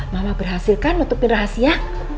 mama berhasil kan menutupin rahasia